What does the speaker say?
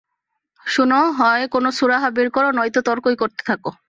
শোন, হয় কোনো সুরাহা বের কর নয়তো তর্কই করতে থাক।